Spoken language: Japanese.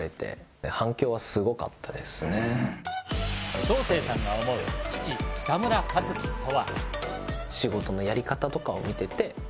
将清さんが思う父・北村一輝とは。